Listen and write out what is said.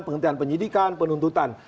penghentian penyidikan penuntutan